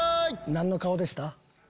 何の顔でした？